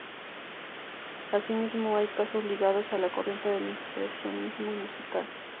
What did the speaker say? Asimismo, hay casos ligados a la corriente del impresionismo musical.